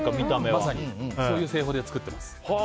まさにそういう製法で作ってます。